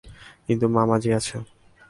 কিন্তু মামাজী আছে।